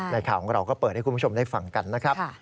ข่าวของเราก็เปิดให้คุณผู้ชมได้ฟังกันนะครับ